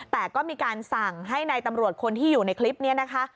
แต่ก็มีการสั่งให้นายตำรวจคนที่อยู่ในคลิปนี้นะคะ